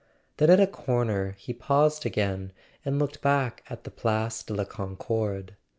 Then at a corner he paused again and looked back at the Place de la Concorde.